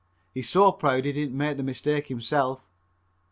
He's so proud he didn't make the mistake himself.